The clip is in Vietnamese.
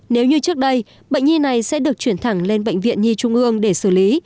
nếu như trước đây bệnh nhi này sẽ được chuyển thẳng lên bệnh viện nhi trung ương để xử lý